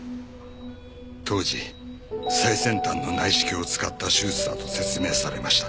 当時最先端の内視鏡を使った手術だと説明されました。